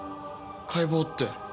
解剖って。